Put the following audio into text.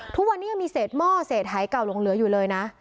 ทุกวันนี้ยังมีเศษหม้อเศษหายเก่าลงเหลืออยู่เลยนะ